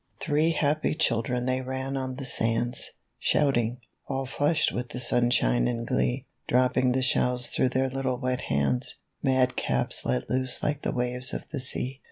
fTIHREE happy children they ran on the sands, L Shouting, all flushed with the sunshine and glee; Dropping the shells through their little wet hands— Madcaps let loose like the waves of the sea.